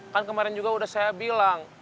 kan kemarin juga sudah saya bilang